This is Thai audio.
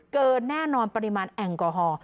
เกินแน่นอนปริมาณแอลกอฮอล์